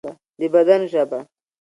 د بدن ژبه